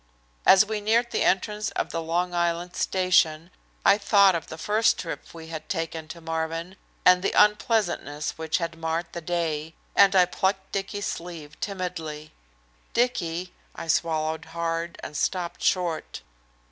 As we neared the entrance of the Long Island station I thought of the first trip we had taken to Marvin, and the unpleasantness which had marred the day, and I plucked Dicky's sleeve timidly. "Dicky!" I swallowed hard and stopped short.